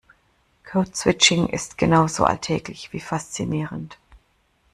Code Switching ist genauso alltäglich wie faszinierend.